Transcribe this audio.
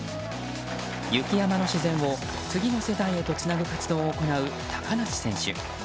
雪山の自然を次の世代へとつなぐ活動を行う高梨選手。